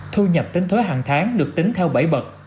thu nhập tính thuế hàng tháng được tính theo bảy bậc